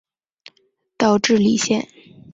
岛智里线